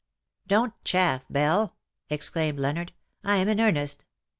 "'" Don't chaff, Belle,'" exclaimed Leonard, '^ Vm in earnest.